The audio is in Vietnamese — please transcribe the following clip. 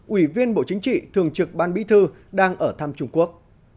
ủy viên bộ chính trị thường trực ban bí thư đang ở thăm trung quốc